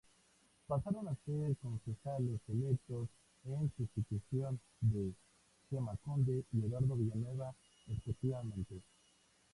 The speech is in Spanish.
Pasaron a ser concejales electos en sustitución de Gema Conde y Eduardo Villanueva respectivamente.